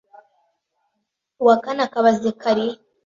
uwa kane akaba Zekariya